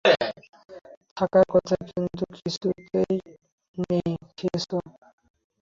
থাকার কথা কিন্তু কিছুই ত নেই -খাইছে!